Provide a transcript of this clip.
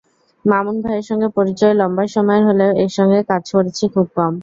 মামুন ভাইয়ের সঙ্গে পরিচয় লম্বা সময়ের হলেও একসঙ্গে কাজ করেছি খুব কম।